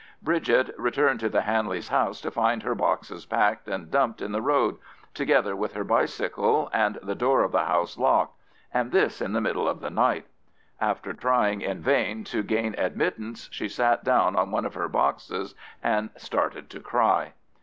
Bridget returned to the Hanleys' house to find her boxes packed and dumped in the road, together with her bicycle, and the door of the house locked, and this in the middle of the night. After trying in vain to gain admittance she sat down on one of her boxes and started to cry.